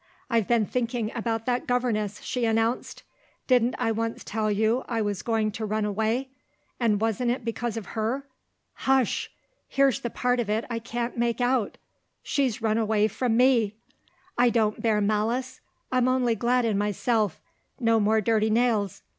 "I've been thinking about that governess," she announced. "Didn't I once tell you I was going to run away? And wasn't it because of Her? Hush! Here's the part of it I can't make out She's run away from Me. I don't bear malice; I'm only glad in myself. No more dirty nails.